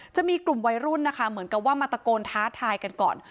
จะมีกลุ่มวัยรุ่นนะคะเหมือนกับว่ามาตะโกนท้าทายกันก่อน